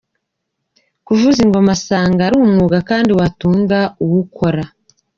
Kuvuza ingoma asanga ari umwuga kandi watunga uwukora.